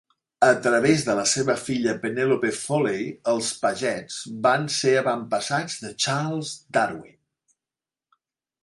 A través de la seva filla Penelope Foley els Pagets van ser avantpassats de Charles Darwin.